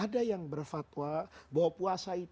ada yang berfatwa bahwa puasa itu lebih dari kepantasan dan kebiasaan